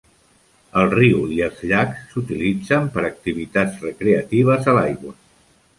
El riu i els llacs s"utilitzen per activitats recreatives a l"aigua.